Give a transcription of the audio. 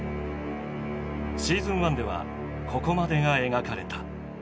シーズン１ではここまでが描かれた。